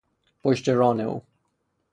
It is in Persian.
پشت ران او